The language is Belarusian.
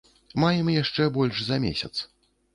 Маем яшчэ больш за месяц.